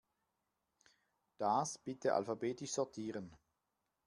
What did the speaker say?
Das bitte alphabetisch sortieren.